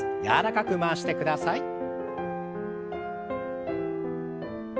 柔らかく回してください。